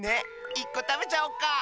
１こたべちゃおっか？